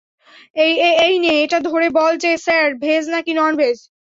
এইনে, এটা ধরে বল যে, স্যার, ভেজ নাকি ননভেজ?